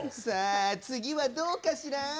さあつぎはどうかしら？